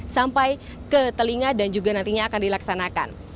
sampai ke telinga dan juga nantinya akan dilaksanakan